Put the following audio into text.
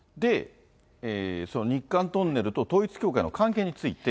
日韓トンネルと統一教会の関係について。